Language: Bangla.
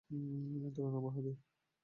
নিয়ন্ত্রণ আমার হাতে।